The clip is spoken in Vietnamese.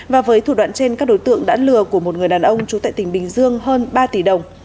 và với thủ đoạn trên các đối tượng đã lừa của một người đàn ông trú tại tỉnh bình dương hơn ba tỷ đồng